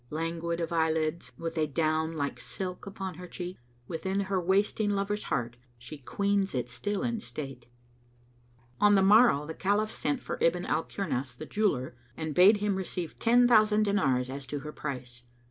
Languid of eyelids, with a down like silk upon her cheek, Within her wasting lover's heart she queens it still in state." On the morrow the Caliph sent for Ibn al Kirnas the Jeweller, and bade him receive ten thousand dinars as to her price.